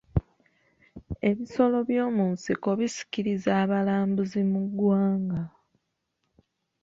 Ebisolo by'omu nsiko bisikiriza abalambuzi mu ggwanga